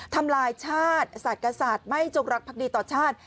ทำลายชาติศาสตร์กษศาสตร์ไม่จงรักภักดีต่อชาติ